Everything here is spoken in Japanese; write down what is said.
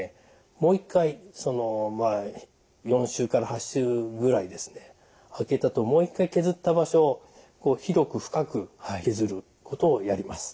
もう一回４週から８週ぐらい空けたあともう一回削った場所を広く深く削ることをやります。